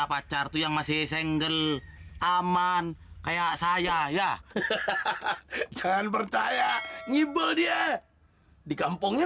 pacar tuh yang masih sengle aman kayak saya ya jangan percaya ngibel dia di kampungnya